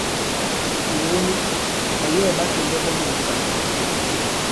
Ŋgògo nik, ɓàyɛ̌ɛ̀ ɓa kɛ̀ndɛ̀ ɓɔn wùkǎn.